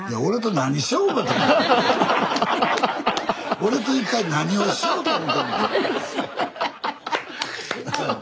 俺と一体何をしようと思うてんねん。